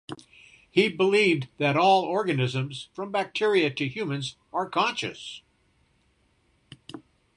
He believed that all organisms from bacteria to humans are conscious.